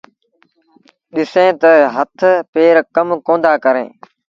ڏسيٚݩ تآ هٿ پير ڪم ڪوندآ ڪريݩ۔